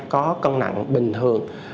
có cân nặng bình thường